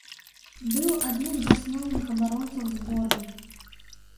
Быў адным з асноўных абаронцаў зборнай.